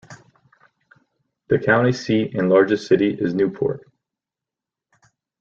The county seat and largest city is Newport.